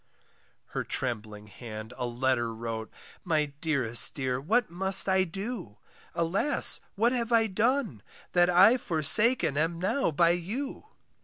Her trembling hand a letter wrote, My dearest dear, what must I do? Alas! what have I done, that I Forsaken am now by you!